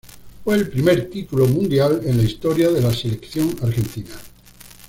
Fue el primer título mundial en la historia de la Selección argentina.